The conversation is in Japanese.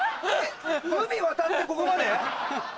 海渡ってここまで？